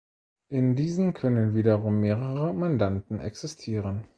In diesen können wiederum mehrere Mandanten existieren.